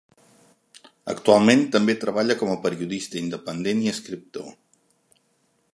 Actualment també treballa com a periodista independent i escriptor.